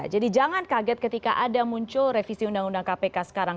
jadi jangan kaget ketika ada muncul revisi undang undang kpk sekarang